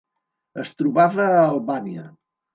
Es trobava a Albània.